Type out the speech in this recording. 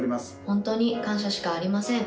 本当に感謝しかありません。